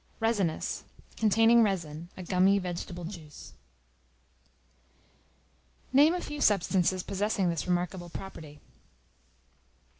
Resinous, containing resin, a gummy vegetable juice. Name a few substances possessing this remarkable property.